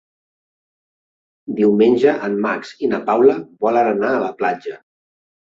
Diumenge en Max i na Paula volen anar a la platja.